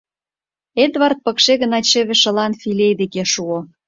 Эдвард пыкше гына чыве шылан филей деке шуо.